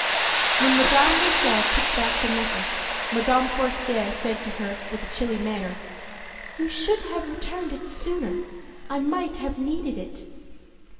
When Madame Loisel took back the necklace Madame Forestier said to her with a chilly manner: âYou should have returned it sooner; I might have needed it.